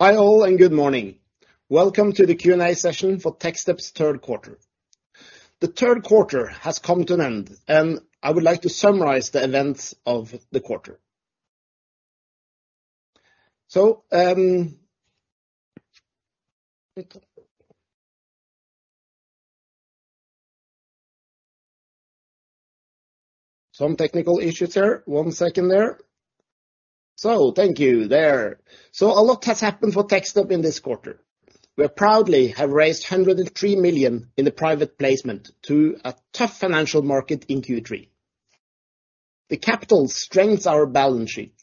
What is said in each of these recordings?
Hi all, and good morning. Welcome to the Q&A session for Techstep's third quarter. The third quarter has come to an end, and I would like to summarize the events of the quarter. A lot has happened for Techstep in this quarter. We proudly have raised 103 million in the private placement in a tough financial market in Q3. The capital strengthens our balance sheet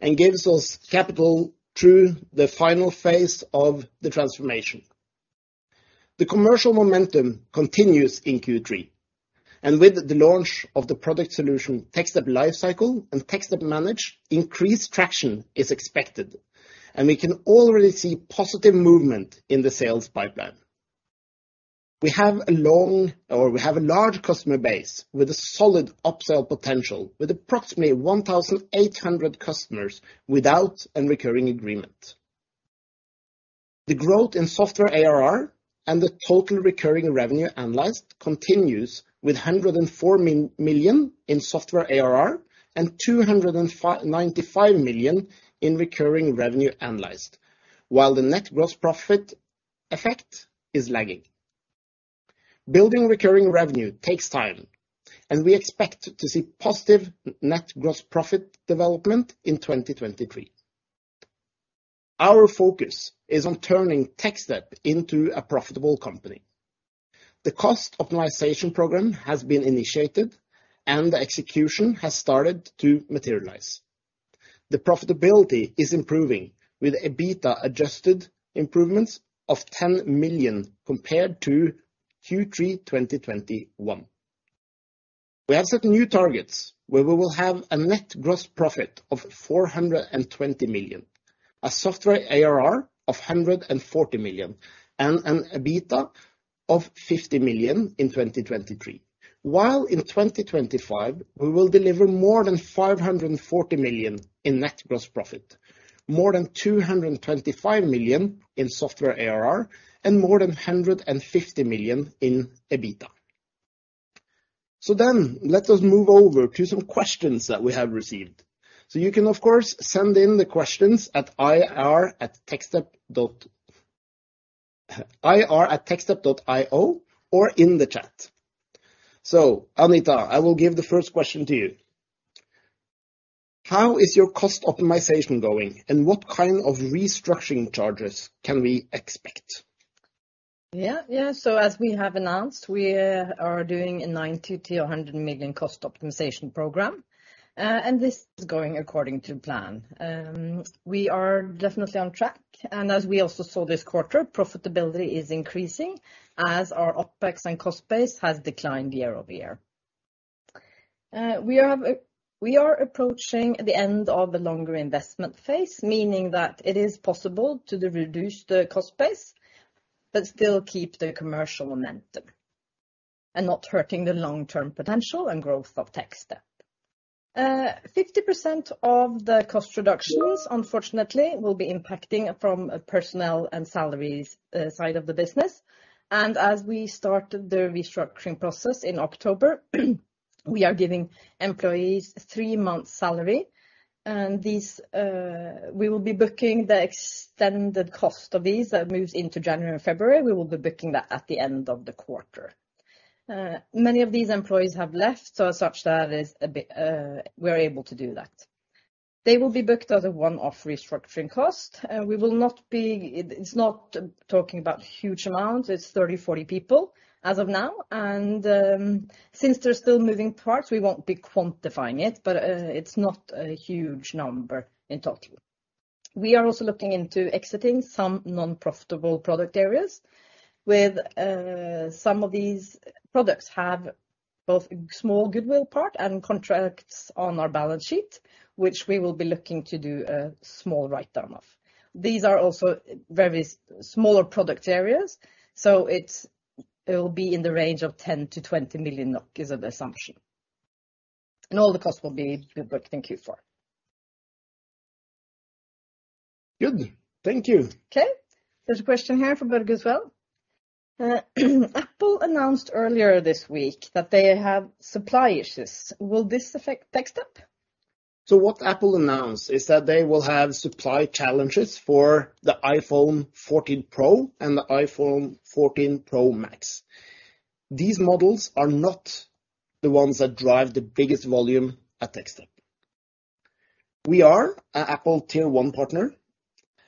and gives us capital through the final phase of the transformation. The commercial momentum continues in Q3, and with the launch of the product solution, Techstep Lifecycle and Techstep Manage, increased traction is expected, and we can already see positive movement in the sales pipeline. We have a large customer base with a solid upsell potential, with approximately 1,800 customers without a recurring agreement. The growth in software ARR and the Total Recurring Revenue Annualized continues with 104 million in software ARR and 295 million in Recurring Revenue Annualized. While the net gross profit effect is lagging. Building recurring revenue takes time, and we expect to see positive net gross profit development in 2023. Our focus is on turning Techstep into a profitable company. The cost optimization program has been initiated, and the execution has started to materialize. The profitability is improving, with EBITDA adjusted improvements of 10 million compared to Q3 2021. We have set new targets where we will have a net gross profit of 420 million, a software ARR of 140 million, and an EBITDA of 50 million in 2023. While in 2025, we will deliver more than 540 million in net gross profit, more than 225 million in software ARR, and more than 150 million in EBITDA. Let us move over to some questions that we have received. You can, of course, send in the questions at ir@techstep.io or in the chat. Anita, I will give the first question to you. How is your cost optimization going, and what kind of restructuring charges can we expect? As we have announced, we are doing a 90 million-100 million cost optimization program. This is going according to plan. We are definitely on track. As we also saw this quarter, profitability is increasing as our OpEx and cost base has declined year-over-year. We are approaching the end of the longer investment phase, meaning that it is possible to reduce the cost base but still keep the commercial momentum and not hurting the long-term potential and growth of Techstep. 50% of the cost reductions, unfortunately, will be impacting from a personnel and salaries side of the business. As we start the restructuring process in October, we are giving employees three months' salary. This, we will be booking the extended cost of these that moves into January and February. We will be booking that at the end of the quarter. Many of these employees have left, so as such that is a bit, we're able to do that. They will be booked as a one-off restructuring cost. It's not talking about huge amounts. It's 30-40 people as of now. Since they're still moving parts, we won't be quantifying it, but it's not a huge number in total. We are also looking into exiting some non-profitable product areas. Some of these products have both small goodwill part and contracts on our balance sheet, which we will be looking to do a small write down off. These are also very small product areas, so it will be in the range of 10 million-20 million NOK, is the assumption, and all the costs will be booked in Q4. Good. Thank you. Okay. There's a question here for Børge as well. Apple announced earlier this week that they have supply issues. Will this affect Techstep? What Apple announced is that they will have supply challenges for the iPhone 14 Pro and the iPhone 14 Pro Max. These models are not the ones that drive the biggest volume at Techstep. We are a Apple Tier One partner,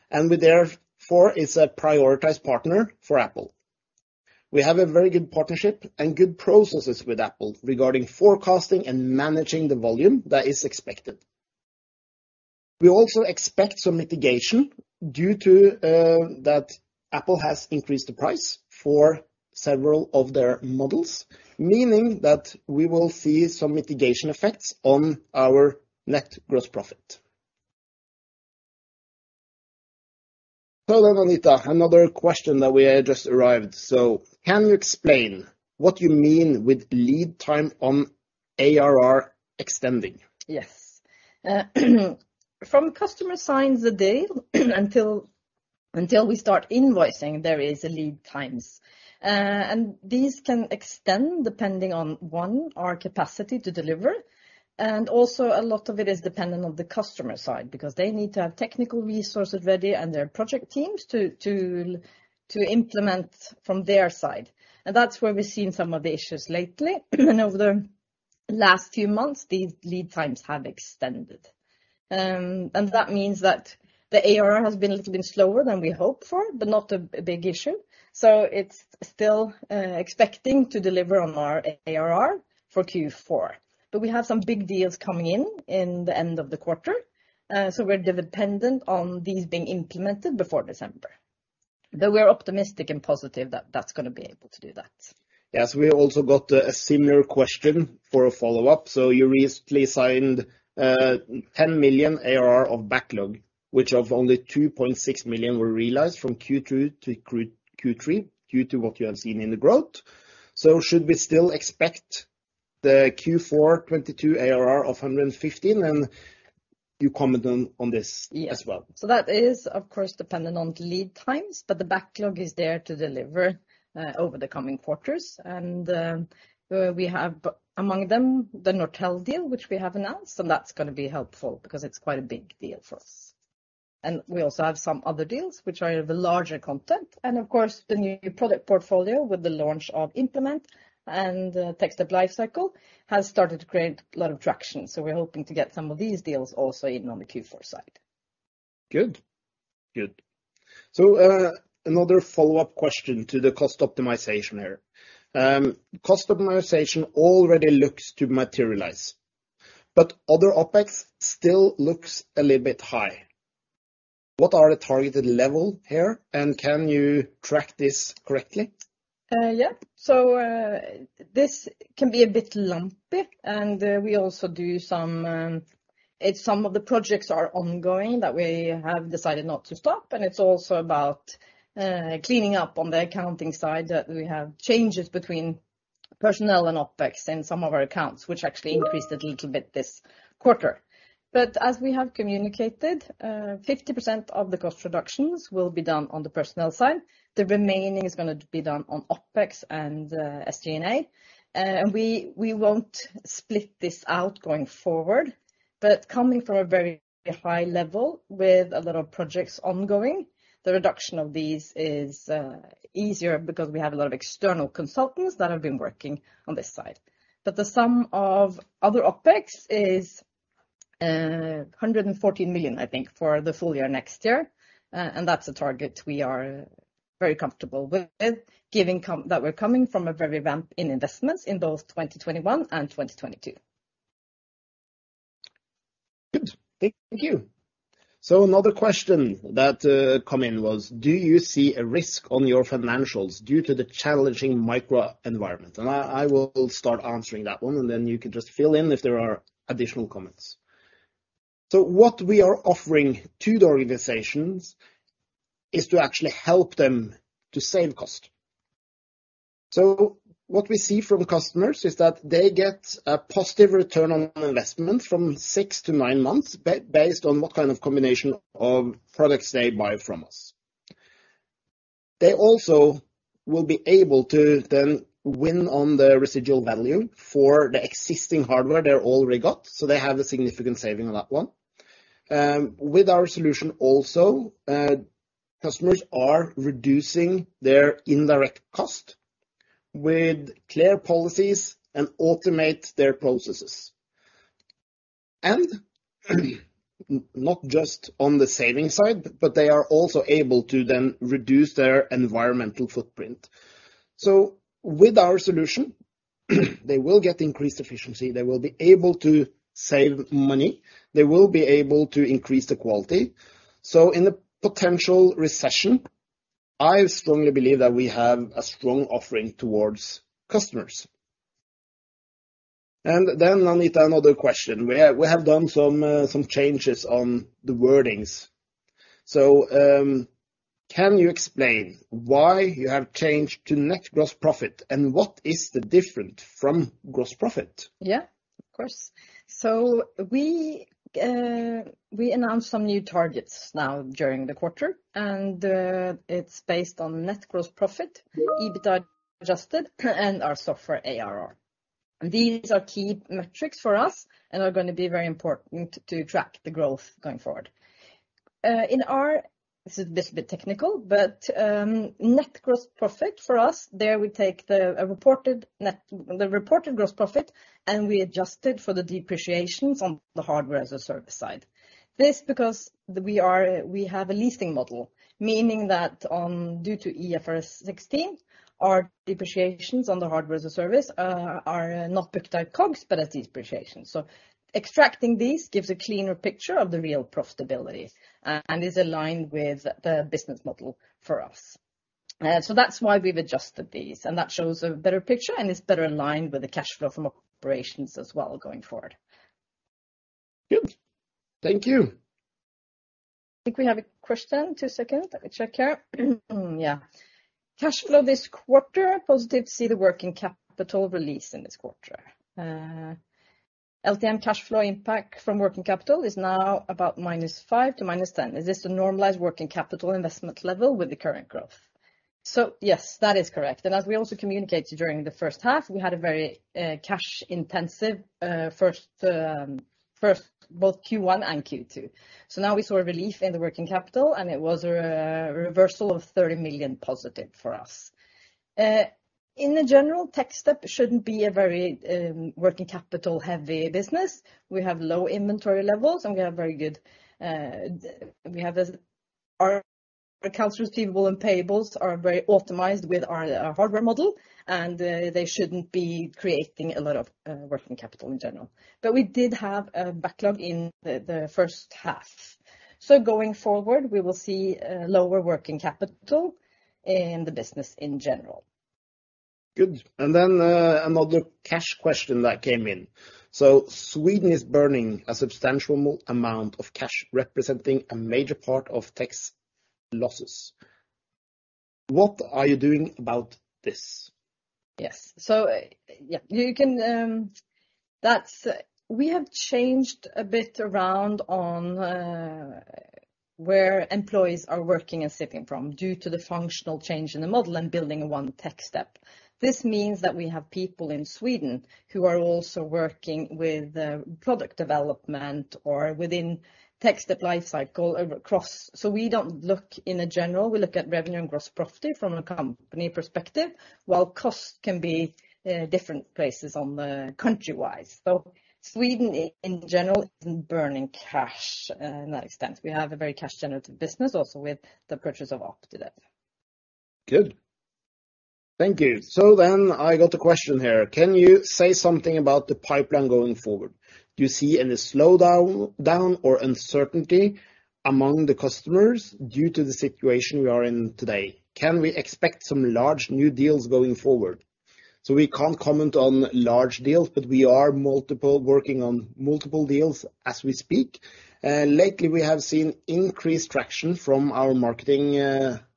and we therefore is a prioritized partner for Apple. We have a very good partnership and good processes with Apple regarding forecasting and managing the volume that is expected. We also expect some mitigation due to that Apple has increased the price for several of their models, meaning that we will see some mitigation effects on our net gross profit. Hold on, Anita. Another question that we had just arrived. Can you explain what you mean with lead time on ARR extending? Yes. From the day the customer signs until we start invoicing, there are lead times. These can extend depending on, for one, our capacity to deliver, and also a lot of it is dependent on the customer side because they need to have technical resources ready and their project teams to implement from their side. That's where we've seen some of the issues lately. Over the last few months, the lead times have extended. That means that the ARR has been a little bit slower than we hoped for, but not a big issue. It's still expecting to deliver on our ARR for Q4. We have some big deals coming in in the end of the quarter, so we're dependent on these being implemented before December. Though we're optimistic and positive that that's gonna be able to do that. Yes. We also got a similar question for a follow-up. You recently signed 10 million ARR of backlog, which only 2.6 million were realized from Q2 to Q3 due to what you have seen in the growth. Should we still expect the Q4 2022 ARR of 115 million? You comment on this as well. Yes. That is, of course, dependent on lead times, but the backlog is there to deliver over the coming quarters. We have among them the Nortel deal which we have announced, and that's gonna be helpful because it's quite a big deal for us. We also have some other deals which are of a larger content. Of course, the new product portfolio with the launch of Implement and Techstep Lifecycle has started to create a lot of traction, so we're hoping to get some of these deals also in on the Q4 side. Good. Another follow-up question to the cost optimization here. Cost optimization already looks to materialize, but other OpEx still looks a little bit high. What are the targeted level here, and can you track this correctly? Yeah. This can be a bit lumpy, and we also do some. It's some of the projects are ongoing that we have decided not to stop, and it's also about cleaning up on the accounting side that we have changes between personnel and OpEx in some of our accounts, which actually increased a little bit this quarter. As we have communicated, 50% of the cost reductions will be done on the personnel side. The remaining is gonna be done on OpEx and SG&A. We won't split this out going forward. Coming from a very high level with a lot of projects ongoing, the reduction of these is easier because we have a lot of external consultants that have been working on this side. The sum of other OpEx is 114 million, I think, for the full year next year, and that's a target we are very comfortable with, that we're coming from a very ramp in investments in both 2021 and 2022. Good. Thank you. Another question that came in was, do you see a risk on your financials due to the challenging macro environment? I will start answering that one, and then you can just fill in if there are additional comments. What we are offering to the organizations is to actually help them to save cost. What we see from customers is that they get a positive return on investment from six to nine months based on what kind of combination of products they buy from us. They also will be able to then win on the residual value for the existing hardware they already got, so they have a significant saving on that one. With our solution also, customers are reducing their indirect cost with clear policies and automate their processes. Not just on the saving side, but they are also able to then reduce their environmental footprint. With our solution, they will get increased efficiency, they will be able to save money, they will be able to increase the quality. In a potential recession, I strongly believe that we have a strong offering towards customers. Then, Anita, another question. We have done some changes on the wordings. Can you explain why you have changed to net gross profit and what is the difference from gross profit? Yeah, of course. We announced some new targets now during the quarter, and it's based on net gross profit, EBITDA adjusted, and our software ARR. These are key metrics for us and are gonna be very important to track the growth going forward. This is a bit technical, but net gross profit for us, there we take the reported gross profit, and we adjust it for the depreciations on the Hardware-as-a-Service side. This is because we have a leasing model, meaning that due to IFRS 16, our depreciations on the Hardware-as-a-Service are not picked up in COGS, but as depreciations. Extracting these gives a cleaner picture of the real profitability, and is aligned with the business model for us. That's why we've adjusted these, and that shows a better picture and is better aligned with the cash flow from operations as well going forward. Good. Thank you. I think we have a question. Two seconds, let me check here. Yeah. Cash flow this quarter, positive to see the working capital release in this quarter. LTM cash flow impact from working capital is now about -5 million--10 million. Is this the normalized working capital investment level with the current growth? Yes, that is correct. As we also communicated during the first half, we had a very cash intensive first half, both Q1 and Q2. Now we saw a relief in the working capital, and it was a reversal of 30 million positive for us. In general, Techstep shouldn't be a very working capital heavy business. We have low inventory levels, and we have very good. Our accounts receivable and payables are very optimized with our hardware model, and they shouldn't be creating a lot of working capital in general. We did have a backlog in the first half. Going forward, we will see a lower working capital in the business in general. Good. Another cash question that came in. Sweden is burning a substantial amount of cash, representing a major part of Techstep losses. What are you doing about this? Yes. Yeah, you can. We have changed a bit around on where employees are working and shipping from, due to the functional change in the model and building one Techstep. This means that we have people in Sweden who are also working with the product development or within Techstep Lifecycle across. We don't look in general, we look at revenue and gross profit from a company perspective, while cost can be in different places country-wise. Sweden in general isn't burning cash to that extent. We have a very cash generative business also with the purchase of Optidev. Good. Thank you. I got a question here. Can you say something about the pipeline going forward? Do you see any slowdown or uncertainty among the customers due to the situation we are in today? Can we expect some large new deals going forward? We can't comment on large deals, but we are working on multiple deals as we speak. Lately we have seen increased traction from our marketing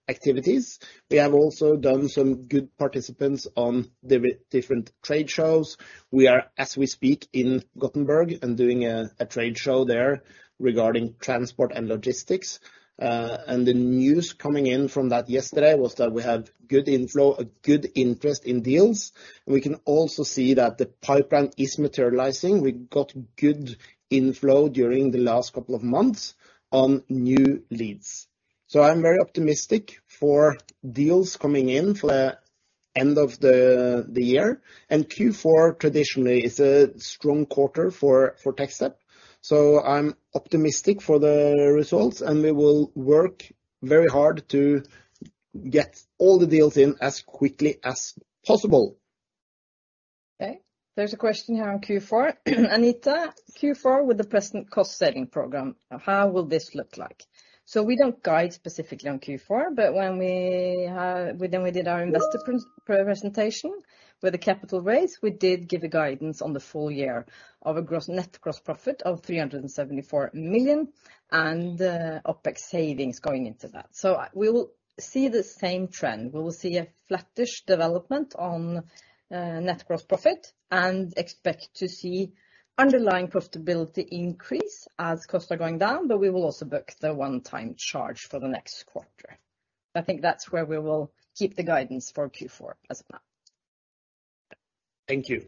activities. We have also done some good participation on different trade shows. We are, as we speak, in Gothenburg and doing a trade show there regarding transport and logistics. The news coming in from that yesterday was that we have good inflow, a good interest in deals, and we can also see that the pipeline is materializing. We got good inflow during the last couple of months on new leads. I'm very optimistic for deals coming in for the end of the year. Q4 traditionally is a strong quarter for Techstep, so I'm optimistic for the results and we will work very hard to get all the deals in as quickly as possible. Okay. There's a question here on Q4. Anita, Q4 with the present cost saving program, how will this look like? We don't guide specifically on Q4, but when we did our investor pre-presentation with the capital raise, we did give a guidance on the full year of a net gross profit of 374 million and OpEx savings going into that. We will see the same trend. We will see a flattish development on net gross profit and expect to see underlying profitability increase as costs are going down, but we will also book the one-time charge for the next quarter. I think that's where we will keep the guidance for Q4 as of now. Thank you.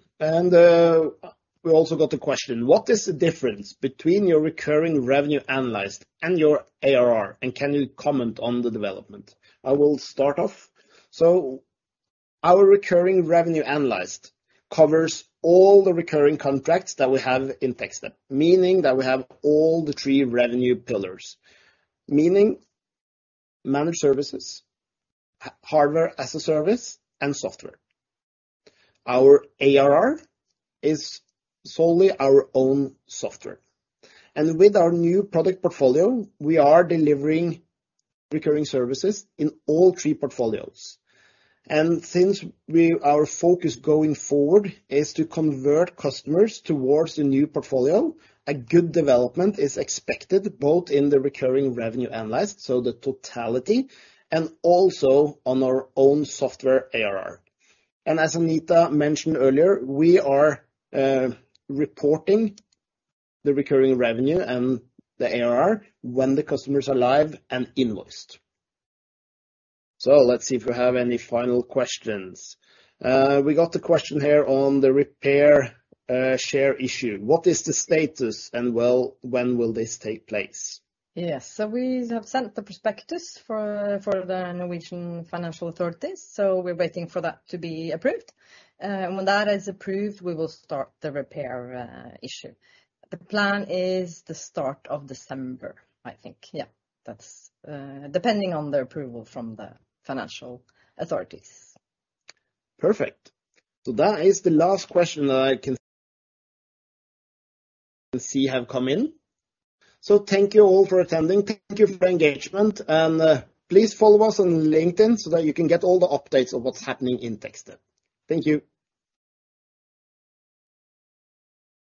We also got a question. What is the difference between your Recurring Revenue Annualized and your ARR, and can you comment on the development? I will start off. Our Recurring Revenue Annualized covers all the recurring contracts that we have in Techstep, meaning that we have all the three revenue pillars, meaning Managed Services, Hardware-as-a-Service and software. Our ARR is solely our own software. With our new product portfolio, we are delivering recurring services in all three portfolios. Since our focus going forward is to convert customers towards the new portfolio, a good development is expected both in the Recurring Revenue Annualized, so the totality, and also on our own software ARR. As Anita Huun mentioned earlier, we are reporting the recurring revenue and the ARR when the customers are live and invoiced. Let's see if we have any final questions. We got a question here on the private share issue. What is the status and well, when will this take place? Yes. We have sent the prospectus for the Norwegian financial authorities. We're waiting for that to be approved. When that is approved, we will start the rights issue. The plan is the start of December, I think. Yeah, that's depending on the approval from the financial authorities. Perfect. That is the last question that I can see have come in. Thank you all for attending. Thank you for engagement, and please follow us on LinkedIn so that you can get all the updates of what's happening in Techstep. Thank you.